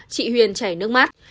chị huyền chảy nước mắt